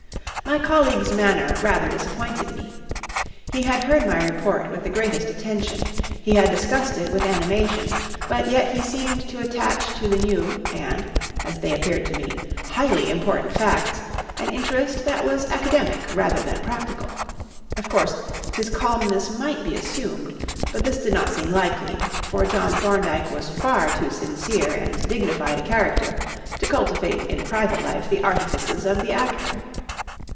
My colleague's manner rather disappointed me. He had heard my report with the greatest attention, he had discussed it with animation, but yet he seemed to attach to the new and as they appeared to me highly important facts an interest that was academic rather than practical. Of course, his calmness might be assumed; but this did not seem likely, for John Thorndyke was far too sincere and dignified a character to cultivate in private life the artifices of the actor.